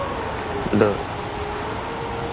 落